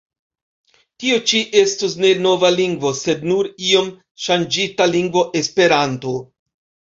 Tio ĉi estus ne nova lingvo, sed nur iom ŝanĝita lingvo Esperanto!